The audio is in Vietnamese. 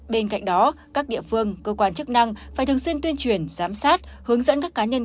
bên cạnh đó các địa phương cơ quan chức năng phải thường xuyên tuyên truyền giám sát hướng dẫn các cá nhân